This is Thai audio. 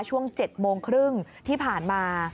ช่วง๗โมงครึ่งที่ผ่านมา